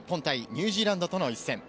ニュージーランドの一戦。